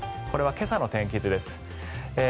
これは今朝の天気図です。